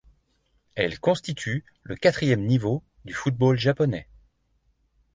Elles constituent le quatrième niveau du football japonais.